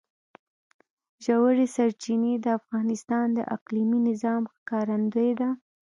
ژورې سرچینې د افغانستان د اقلیمي نظام ښکارندوی ده.